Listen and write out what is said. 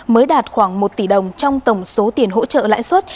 mới đạt khoảng một tỷ đồng trong tổng số tiền hỗ trợ lãi suất